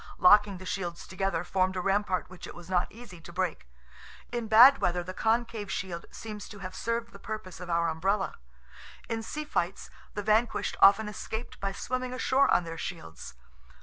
Locking the shields together formed a rampart which it was not easy to break; in bad weather the concave shield seems to have served the purpose of our umbrella; in sea fights the vanquished often escaped by swimming ashore on their shields.